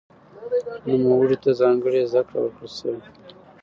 نوموړي ته ځانګړې زده کړې ورکړل شوې.